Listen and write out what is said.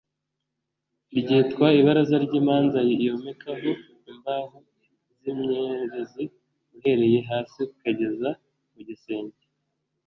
ryitwa ibaraza ry’imanza Yomekaho imbaho z’imyerezi uhereye hasi ukageza mu gisenge